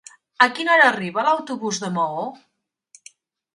A quina hora arriba l'autobús de Maó?